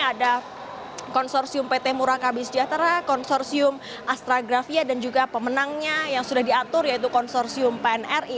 ada konsorsium pt murakabi sejahtera konsorsium astragrafia dan juga pemenangnya yang sudah diatur yaitu konsorsium pnri